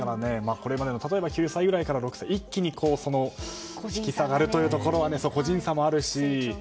これまでも例えば９歳ぐらいから６歳一気に引き下がるというところは個人差もあるし。